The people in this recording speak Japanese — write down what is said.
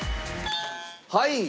はい！